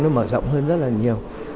nó mở rộng hơn rất là nhiều